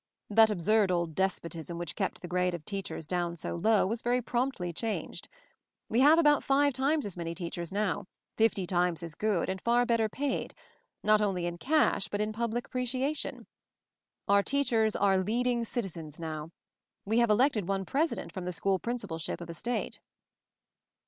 That absurd old despotism which kept the grade of teachers down so low, was very promptly changed. We have about five times as many teachers now, fifty times as good and far better paid, not only in cash, but in public appre ciation. Our teachers are 'leading citizens' now — we have elected one President from the School Principalship of a state."